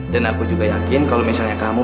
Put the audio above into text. dan aku juga yakin kalau misalnya kamu